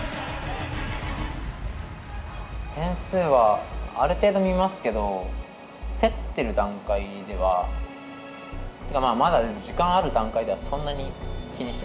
点数はある程度見ますけど競ってる段階ではまだ時間ある段階ではそんなに気にしません。